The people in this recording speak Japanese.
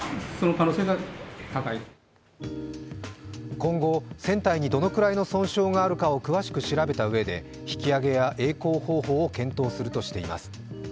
今後、船体にどのくらいの損傷があるかを詳しく調べたうえで引き上げやえい航方法を検討するとしています。